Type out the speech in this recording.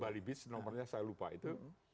bali beach nomernya saya lupa itu